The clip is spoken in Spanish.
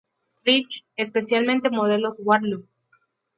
Rich especialmente modelos Warlock.